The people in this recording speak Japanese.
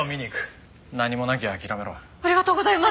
ありがとうございます！